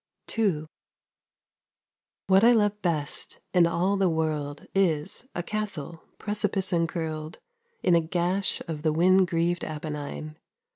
II What I love best in all the world, Is, a castle, precipice encurled, 15 In a gash of the wind grieved Apennine.